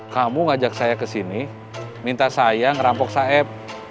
kamu ngajak saya ke sini minta saya ngerampok saib